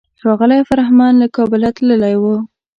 ښاغلی فرهمند له کابله تللی و.